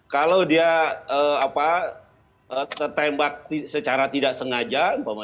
kalau dia tertembak secara tidak sengaja